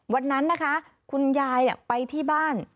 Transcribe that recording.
วันนั้นนะคะคุณยายไปที่บ้าน